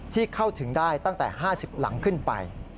เข้าถึงได้ตั้งแต่๕๐หลังขึ้นไป